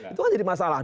itu kan jadi masalah